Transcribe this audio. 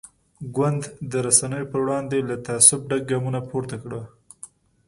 ګوند د رسنیو پر وړاندې له تعصب ډک ګامونه پورته کړل.